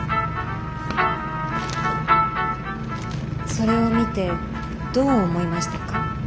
それを見てどう思いましたか？